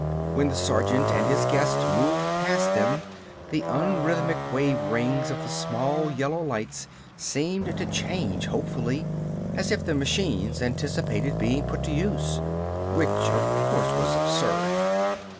When the sergeant and his guest moved past them, the unrhythmic waverings of the small yellow lights seemed to change hopefully, as if the machines anticipated being put to use. Which, of course, was absurd.